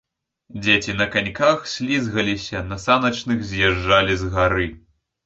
Дзеці на каньках слізгаліся, на саначках з'язджалі з гары.